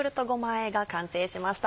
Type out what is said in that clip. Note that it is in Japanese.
あえが完成しました。